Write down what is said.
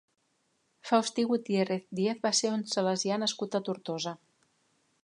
Faustí Gutiérrez Díez va ser un salesià nascut a Tortosa.